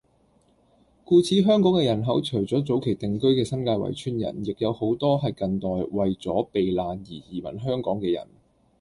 故此香港嘅人口除咗早期定居嘅新界圍村人，亦有好多係近代為咗避難而移民香港嘅人